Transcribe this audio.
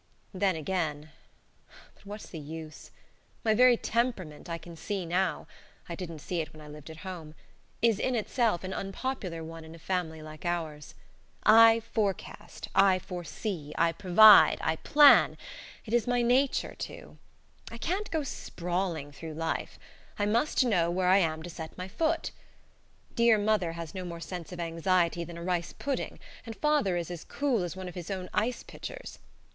Then again but what's the use? My very temperament I can see now (I didn't see it when I lived at home) is in itself an unpopular one in a family like ours. I forecast, I foresee, I provide, I plan it is my "natur' to." I can't go sprawling through life. I must know where I am to set my foot. Dear mother has no more sense of anxiety than a rice pudding, and father is as cool as one of his own ice pitchers.